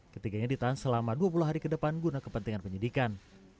ketiganya ditahan selama dua puluh hari ke depan guna kepentingan penyidikan